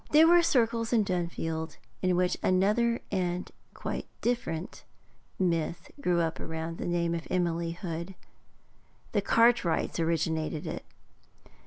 There were circles in Dunfield in which another and quite a different myth grew up around the name of Emily Hood. The Cartwrights originated it.